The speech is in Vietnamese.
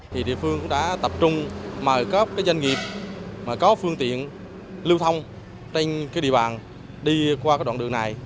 thì địa phương đã tập trung mời các doanh nghiệp có phương tiện lưu thông trên địa bàn đi qua đoạn đường này